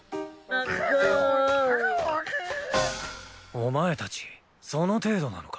お前たちその程度なのか？